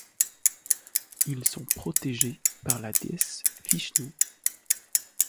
Ils sont protégés par la déesse Vishnu.